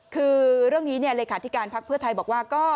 คือเรื่องนี้เลขาธิการพักเพื่อไทยบอกว่า